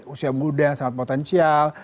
usia muda sangat potensial